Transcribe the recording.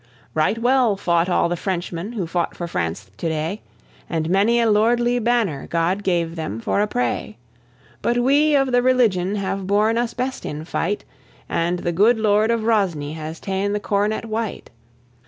Right well fought all the Frenchmen who fought for France to day; And many a lordly banner God gave them for a prey. But we of the Religion have borne us best in fight; And the good lord of Rosny has ta'en the cornet white.